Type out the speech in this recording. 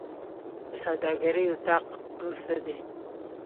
د سوداګرۍ اتاق رول څه دی؟